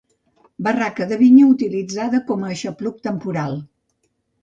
Barraca de vinya utilitzada com a aixopluc temporal.